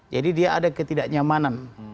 jadi dia ada ketidaknyamanan